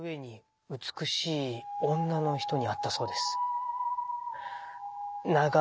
美しい女の人に会ったそうです。